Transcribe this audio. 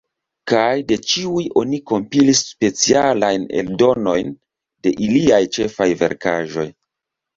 Kaj de ĉiuj oni kompilis specialajn eldonojn de iliaj ĉefaj verkaĵoj.